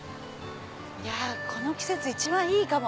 この季節一番いいかも！